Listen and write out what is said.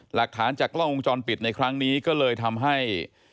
หลักฐานจากกล้องวงจรปิดในครั้งนี้ก็เลยทำให้